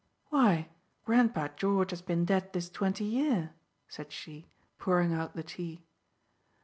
"Why, grandpa George has been dead this twenty year," said she, pouring out the tea.